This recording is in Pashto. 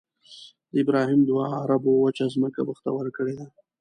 د ابراهیم دعا عربو وچه ځمکه بختوره کړې ده.